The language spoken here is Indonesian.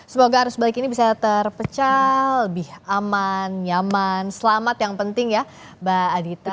semoga arus balik ini bisa terpecah lebih aman nyaman selamat yang penting ya mbak adita